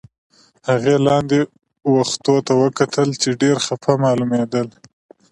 هغې لاندې و ختو ته وکتل، چې ډېر خپه معلومېدل.